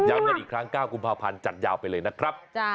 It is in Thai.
กันอีกครั้ง๙กุมภาพันธ์จัดยาวไปเลยนะครับ